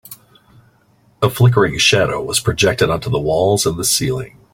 A flickering shadow was projected onto the walls and the ceiling.